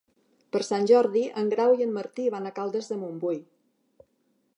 Per Sant Jordi en Grau i en Martí van a Caldes de Montbui.